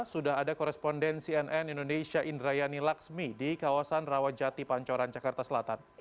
sudah ada koresponden cnn indonesia indrayani laksmi di kawasan rawajati pancoran jakarta selatan